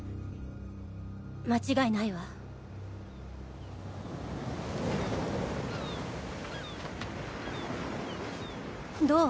間違いないわどう？